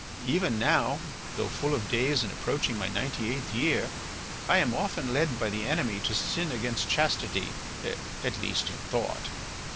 Even now, though full of days and approaching my ninety eighth year, I am often led by the Enemy to sin against chastity, at least in thought.